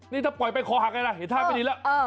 นี่ถ้าปล่อยไปคอหักเลยนะเห็นท่านไปนี่แล้ว